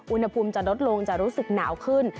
อุณหภูมิจะลดลงจะรู้สึกหนาวขึ้น